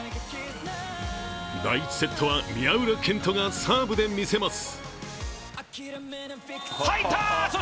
第１セットは宮浦健人がサーブでみせます。